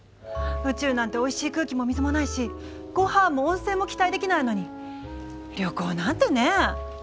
宇宙なんておいしい空気も水もないしごはんも温泉も期待できないのに旅行なんてね。